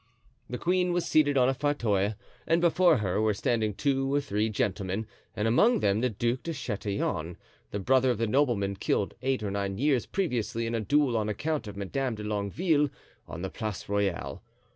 The queen was seated on a fauteuil and before her were standing two or three gentlemen, and among them the Duc de Chatillon, the brother of the nobleman killed eight or nine years previously in a duel on account of Madame de Longueville, on the Place Royale.